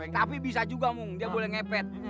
tapi bisa juga mung dia boleh ngepet